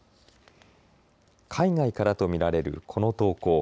海外からと見られるこの投稿。